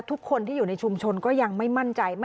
ทุกคนที่อยู่ในชุมชนก็ยังไม่มั่นใจ